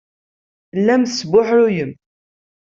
Tellamt tesbuḥruyemt.